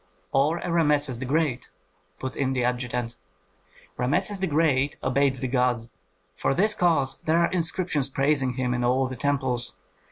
"Or a Rameses the Great," put in the adjutant. "Rameses the Great obeyed the gods; for this cause there are inscriptions praising him in all the temples.